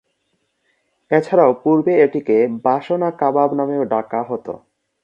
এছাড়াও পূর্বে এটিকে "বাসনা কাবাব" নামেও ডাকা হতো।